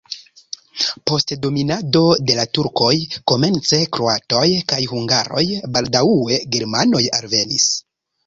Post dominado de la turkoj komence kroatoj kaj hungaroj, baldaŭe germanoj alvenis.